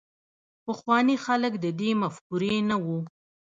پخواني خلک د دې مفکورې نه وو.